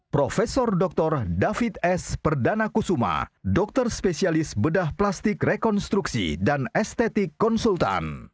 prof dr david s perdana kusuma dokter spesialis bedah plastik rekonstruksi dan estetik konsultan